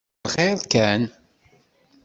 D lxiṛ kan?